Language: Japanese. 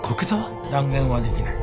断言はできない。